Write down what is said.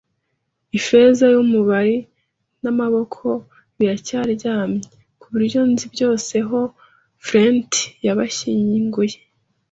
Ifeza yumubari namaboko biracyaryamye, kubyo nzi byose, aho Flint yabashyinguye;